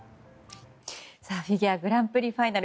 フィギュアグランプリファイナル。